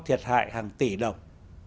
thiệt hại hàng tỷ đồng